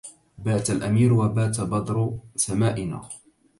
بات الأمير وبات بدر سمائنا